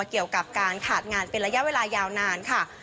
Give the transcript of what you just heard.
เกี่ยวกับการขาดงานเป็นระยะเวลายาวนานค่ะ